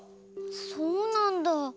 そうなんだ。